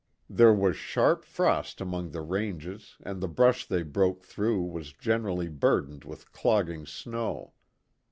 There was sharp frost among the ranges and the brush they broke through was generally burdened with clogging snow.